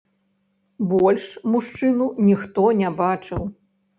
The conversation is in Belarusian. Больш мужчыну ніхто не бачыў.